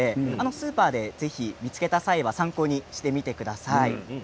スーパーでぜひ見つけた際は参考にしてみてください。